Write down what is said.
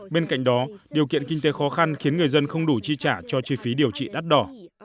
bên cạnh đó điều kiện kinh tế khó khăn khiến người dân không đủ chi trả cho chi phí điều trị đắt đỏ